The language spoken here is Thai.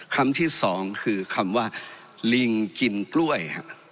คำที่สองคือคำว่าลิงกินกล้วยครับ